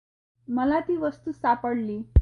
मला ती वस्तू सापडली.